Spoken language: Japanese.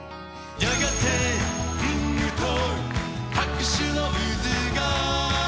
「やがてリングと拍手の渦が」